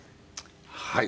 はい。